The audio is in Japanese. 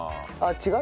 違う？